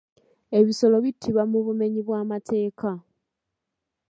Ebisolo bittibwa mu bumenyi bw'amateeka.